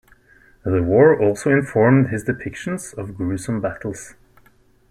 The war also informed his depictions of gruesome battles.